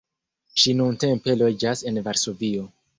Ŝi nuntempe loĝas en Varsovio.